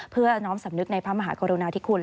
เพื่อน้อมสำนึกในพระมหากรุณาธิคุณ